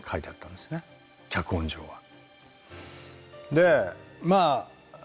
でまあ